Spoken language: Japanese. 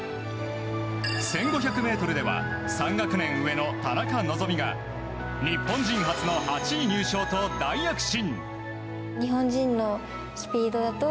１５００ｍでは３学年上の田中希実が日本人初の８位入賞と大躍進。